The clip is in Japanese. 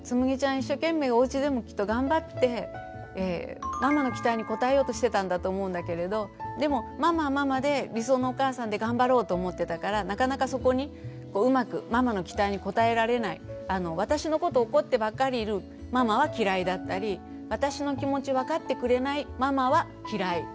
一生懸命おうちでもきっと頑張ってママの期待に応えようとしてたんだと思うんだけれどでもママはママで理想のお母さんで頑張ろうと思ってたからなかなかそこにうまくママの期待に応えられない私のことを怒ってばっかりいるママは嫌いだったり私の気持ち分かってくれないママは嫌い。